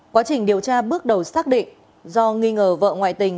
quá trình điều tra bước đầu xác định do nghi ngờ vợ ngoại tình